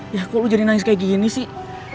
ya kok lo jadi nangis kayak gini sih